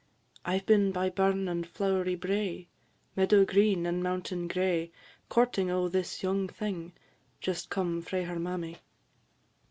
"I 've been by burn and flow'ry brae, Meadow green, and mountain gray, Courting o' this young thing, Just come frae her mammy."